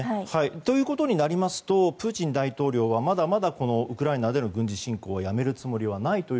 ということになりますとプーチン大統領はまだまだウクライナでの軍事侵攻をやめるつもりはないと。